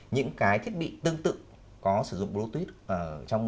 những cái thiết bị tương tự có sử dụng bluetooth xung quanh chúng ta